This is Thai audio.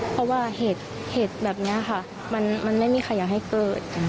เพราะว่าเหตุแบบนี้ค่ะมันไม่มีใครอยากให้เกิด